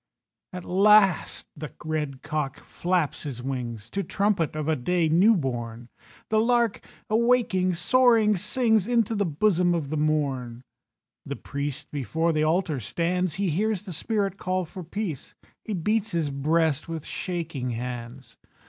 At last the red cock flaps his wings To trumpet of a day new born. The lark, awaking, soaring sings Into the bosom of the morn. The priest before the altar stands, He hears the spirit call for peace; He beats his breast with shaking hands.